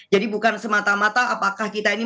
jadi bukan semata mata apakah kita ini